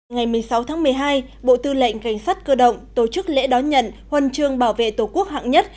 ngày một mươi sáu tháng một mươi hai bộ tư lệnh cảnh sát cơ động tổ chức lễ đón nhận huân chương bảo vệ tổ quốc hạng nhất